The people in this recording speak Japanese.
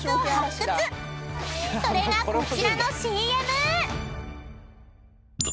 ［それがこちらのＣＭ］